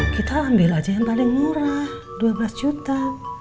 kita ambil aja yang paling murah dua belas juta